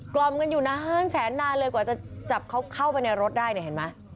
ล่อมกันอยู่นานแสนนานเลยกว่าจะจับเขาเข้าไปในรถได้เนี่ยเห็นไหม